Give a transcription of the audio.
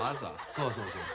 そうそうそう。